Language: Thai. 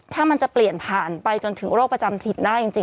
ถ้ามันจะเปลี่ยนผ่านไปจนถึงโรคประจำถิ่นได้จริง